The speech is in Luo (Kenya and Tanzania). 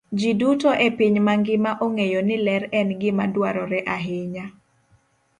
Ji duto e piny mangima ong'eyo ni ler en gima dwarore ahinya.